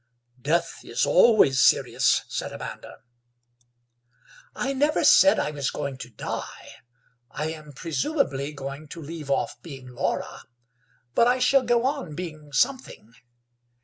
"Death is always serious," said Amanda. "I never said I was going to die. I am presumably going to leave off being Laura, but I shall go on being something.